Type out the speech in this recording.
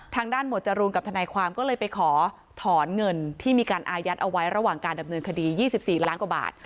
หมวดจรูนกับทนายความก็เลยไปขอถอนเงินที่มีการอายัดเอาไว้ระหว่างการดำเนินคดี๒๔ล้านกว่าบาท